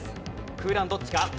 空欄どっちか？